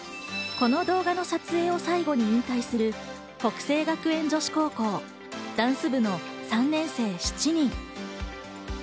この動画の撮影を最後に引退する北星学園女子高校ダンス部の３年生７人。